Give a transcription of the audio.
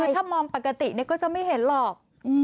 ถ้ามองปกตินี่ก็จะไม่เห็นหรอก